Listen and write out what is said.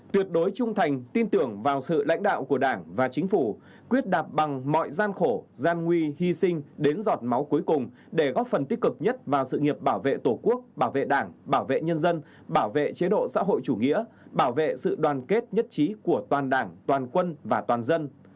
tuyệt đối trung thành tin tưởng vào sự lãnh đạo của đảng và chính phủ quyết đạp bằng mọi gian khổ gian nguy hy sinh đến giọt máu cuối cùng để góp phần tích cực nhất vào sự nghiệp bảo vệ tổ quốc bảo vệ đảng bảo vệ nhân dân bảo vệ chế độ xã hội chủ nghĩa bảo vệ sự đoàn kết nhất trí của toàn đảng toàn quân và toàn dân